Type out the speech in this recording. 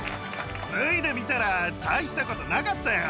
脱いでみたら、大したことなかったよ。